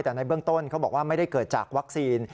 แต่ในเบื้องต้นเขาบอกว่าไม่ได้เกิดจากวัคซีน